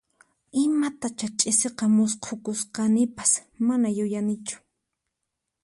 Imatachá ch'isiqa musqhukusqanipas, mana yuyanichu